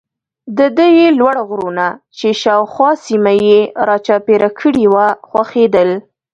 د ده یې لوړ غرونه چې شاوخوا سیمه یې را چاپېره کړې وه خوښېدل.